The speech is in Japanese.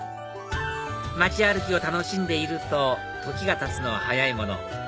街歩きを楽しんでいると時がたつのは早いもの